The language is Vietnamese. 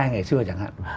ngày xưa chẳng hạn